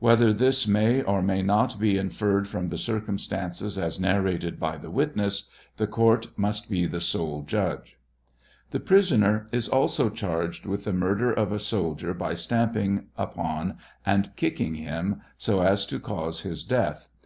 .Whether this may ( may not be inferred from the circumstances as narrated by the witness, the coui must be the sole judge. The prisoner is also charged with the murder of a soldier, by stamping upc and kicking him so as to cause his death.